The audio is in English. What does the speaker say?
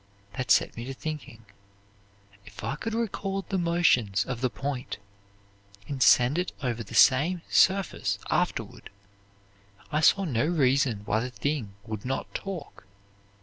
That set me to thinking. If I could record the motions of the point and send it over the same surface afterward, I saw no reason why the thing would not talk.